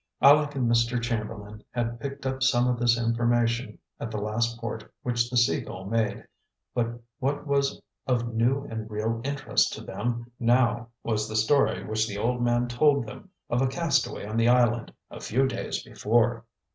Aleck and Mr. Chamberlain had picked up some of this information at the last port which the Sea Gull made; but what was of new and real interest to them now was the story which the old man told them of a castaway on the island a few days before.